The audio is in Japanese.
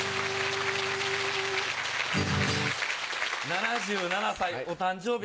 ７７歳お誕生日